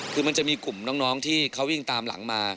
คือมันจะมีกลุ่มน้องที่เขาวิ่งตามหลังมา